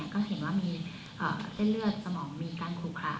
ก็เห็นว่ามีเส้นเลือดสมองมีการขู่ค่ะ